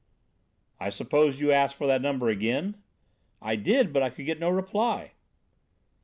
"I suppose you asked for the number again?" "I did, but I could get no reply."